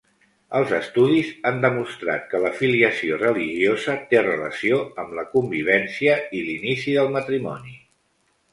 Els estudis han demostrat que l'afiliació religiosa té relació amb la convivència i l'inici del matrimoni.